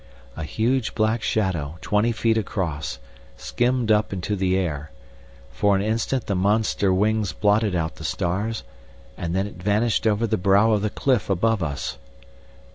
A huge black shadow, twenty feet across, skimmed up into the air; for an instant the monster wings blotted out the stars, and then it vanished over the brow of the cliff above us.